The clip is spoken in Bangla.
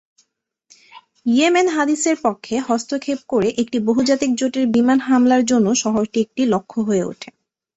ইয়েমেন হাদীসের পক্ষে হস্তক্ষেপ করে একটি বহুজাতিক জোটের বিমান হামলার জন্য শহরটি একটি লক্ষ্য হয়ে ওঠে।